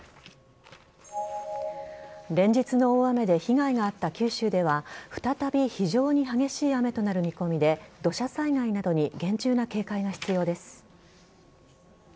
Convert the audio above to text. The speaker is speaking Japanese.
連日の大雨で被害があった九州では再び非常に激しい雨となる見込みで土砂災害などに厳重な警戒が必要です。